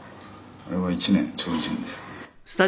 「あれは１年ちょうど１年です」